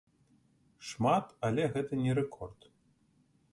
Шмат, але гэта не рэкорд.